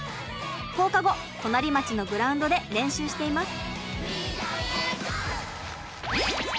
放課後隣町のグラウンドで練習しています。